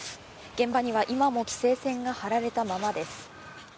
現場には今も規制線が張られたままです。